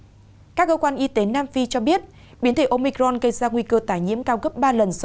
gấp ba lần so với biến thể delta các cơ quan y tế nam phi cho biết biến thể omicron gây ra nguy cơ tải nhiễm cao gấp ba lần so với biến thể delta